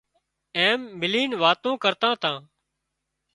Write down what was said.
ايم ملينَ واتون ڪرتان تان